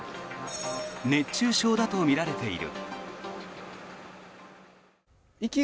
熱中症だとみられている。